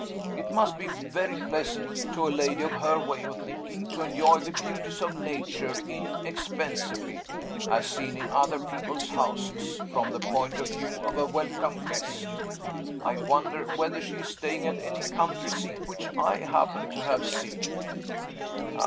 It must be very pleasant, to a lady of her way of thinking, to enjoy the beauties of Nature inexpensively as seen in other people's houses, from the point of view of a welcome guest. I wonder whether she is staying at any country seat which I happen to have seen?"